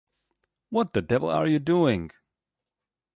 What the devil are you doing?